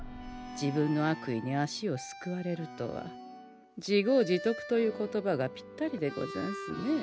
自分の悪意に足をすくわれるとは自業自得という言葉がぴったりでござんすね。